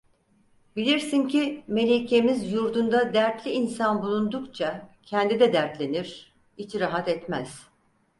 Bilirsin ki, melikemiz yurdunda dertli insan bulundukça, kendi de dertlenir, içi rahat etmez.